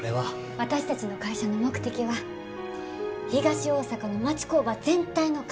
私たちの会社の目的は東大阪の町工場全体の活性化です。